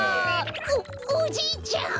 おおじいちゃん！